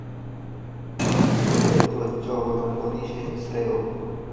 অতএব, ধৈর্য অবলম্বনই শ্রেয়।